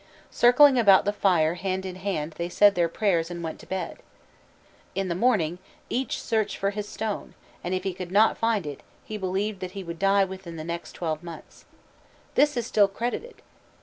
Circling about the fire hand in hand they said their prayers and went to bed. In the morning each searched for his stone, and if he could not find it, he believed that he would die within the next twelve months. This is still credited.